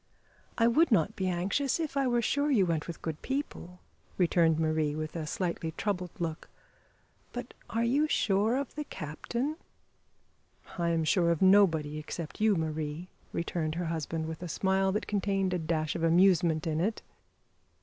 "I would not be anxious if I were sure you went with good people," returned Marie, with a slightly troubled look; "but are you sure of the captain?" "I am sure of nobody except you, Marie," returned her husband, with a smile that contained a dash of amusement in it.